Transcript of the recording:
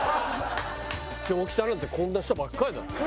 下北なんてこんな人ばっかりだった。